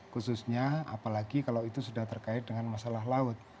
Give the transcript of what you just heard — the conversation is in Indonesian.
khususnya apalagi kalau itu sudah terkait dengan masalah laut